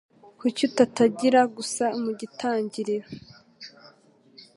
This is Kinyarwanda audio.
Kuki utatangira gusa mugitangiriro?